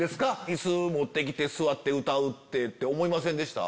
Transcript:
イス持って来て座って歌う⁉って思いませんでした？